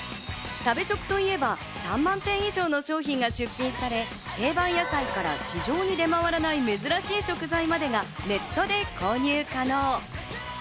食べチョクといえば、３万点以上の商品が出品され、定番野菜から市場に出回らない珍しい食材までがネットで購入可能。